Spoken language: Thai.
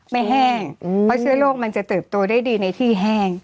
แห้งเพราะเชื้อโรคมันจะเติบโตได้ดีในที่แห้ง